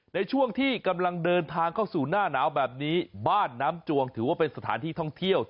ในช่วงที่กำลังเดินทางเข้าสู่หน้าหนาวแบบนี้บ้านน้ำจวงถือว่าเป็นสถานที่ท่องเที่ยว